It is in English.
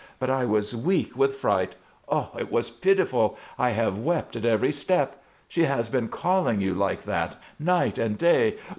But I was weak with fright. Oh! It was pitiful! I have wept at every step. She has been calling you like that, night and day.